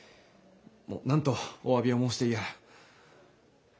もうなんとおわびを申していいやら。